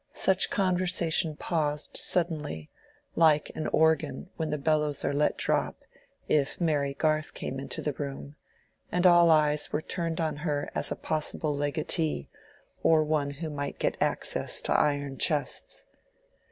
Such conversation paused suddenly, like an organ when the bellows are let drop, if Mary Garth came into the room; and all eyes were turned on her as a possible legatee, or one who might get access to iron chests.